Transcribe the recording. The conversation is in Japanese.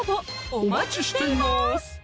お待ちしています